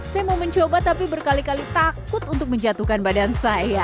saya mau mencoba tapi berkali kali takut untuk menjatuhkan badan saya